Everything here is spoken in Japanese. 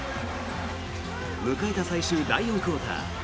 迎えた最終第４クオーター。